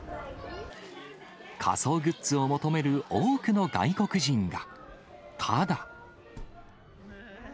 仮装グッズを求める多くの外国人が。